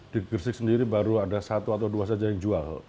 di gresik sendiri baru ada satu atau dua saja yang jual